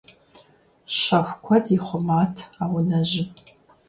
Щэху куэд ихъумэт а унэжьым.